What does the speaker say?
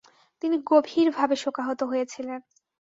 তিনি গভীরভাবে শোকাহত হয়েছিলেন।